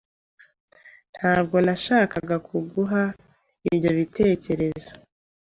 Ntabwo nashakaga kuguha ibyo bitekerezo.